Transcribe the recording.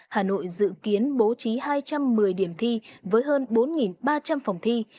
hà nội dự kiến bố trí hai trăm một mươi điểm thi với hơn bốn ba trăm linh phòng thi